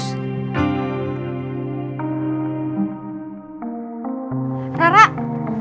terus gimana cara mereka putus